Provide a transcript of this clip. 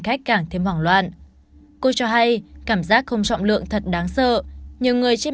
khách càng thêm hoảng loạn cô cho hay cảm giác không trọng lượng thật đáng sợ nhiều người trên